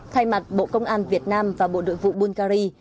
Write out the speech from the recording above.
thay mặt bộ công an việt nam và bộ đội vụ bungary